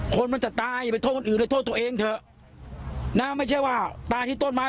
คนมันจะตายไปโทษคนอื่นเลยโทษตัวเองเถอะนะไม่ใช่ว่าตายที่ต้นไม้